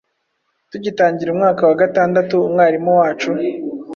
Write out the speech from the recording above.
Tugitangira umwaka wa gatandatu, umwarimu wacu